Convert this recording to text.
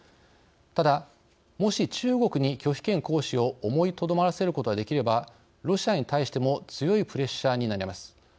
ただ、もし中国に拒否権行使を思いとどまらせることができればロシアに対しても強いプレッシャーになります。